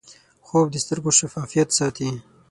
خوب د سترګو شفافیت ساتي